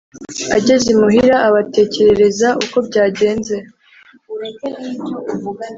Ageze imuhira abatekerereza uko byagenze,